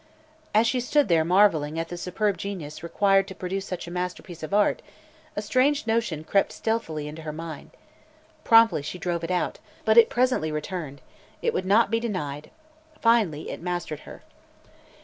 As she stood there marveling at the superb genius required to produce such a masterpiece of art, a strange notion crept stealthily into her mind. Promptly she drove it out; but it presently returned; it would not be denied; finally, it mastered her.